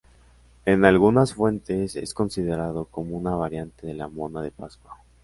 En algunas fuentes es considerado como una variante de la mona de Pascua.